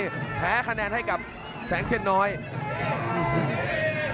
อื้อหือจังหวะขวางแล้วพยายามจะเล่นงานด้วยซอกแต่วงใน